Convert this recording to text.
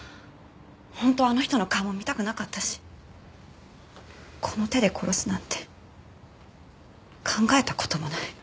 本当はあの人の顔も見たくなかったしこの手で殺すなんて考えた事もない。